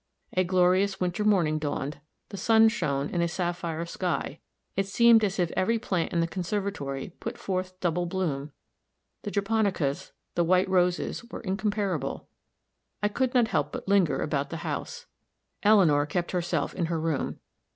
A glorious winter morning dawned; the sun shone in a sapphire sky; it seemed as if every plant in the conservatory put forth double bloom the japonicas, the white roses, were incomparable. I could not help but linger about the house. Eleanor kept herself in her room.